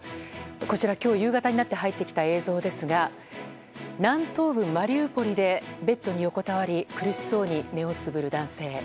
こちら、今日夕方になって入ってきた映像ですが南東部マリウポリでベッドに横たわり苦しそうに目をつむる男性。